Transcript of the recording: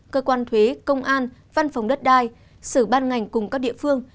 cơ quan thuế công an văn phòng đất đai sở ban ngành cùng các địa phương